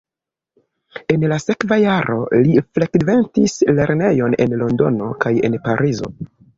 En la sekva jaro li frekventis lernejon en Londono kaj en Parizo.